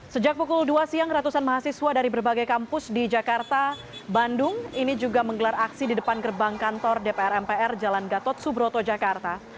sejak pukul dua siang ratusan mahasiswa dari berbagai kampus di jakarta bandung ini juga menggelar aksi di depan gerbang kantor dpr mpr jalan gatot subroto jakarta